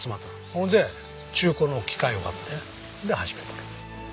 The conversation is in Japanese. ほんで中古の機械を買ってで始めとる。